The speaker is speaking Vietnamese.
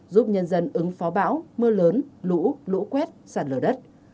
giúp nhân dân ứng phó bão mưa lớn lũ lũ quét sạt lở đất